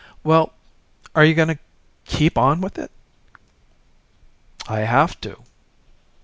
"Well are you going to keep on with it?" "I have to."